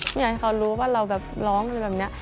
อยากให้เขารู้ว่าเราแบบร้องหรือแบบนี้